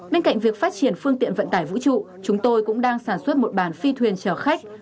bên cạnh việc phát triển phương tiện vận tải vũ trụ chúng tôi cũng đang sản xuất một bản phi thuyền chở khách